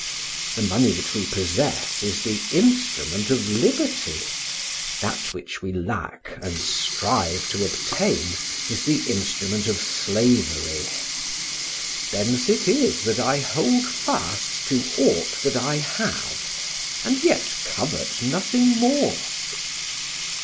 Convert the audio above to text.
The money that we possess is the instrument of liberty, that which we lack and strive to obtain is the instrument of slavery. Thence it is that I hold fast to aught that I have, and yet covet nothing more.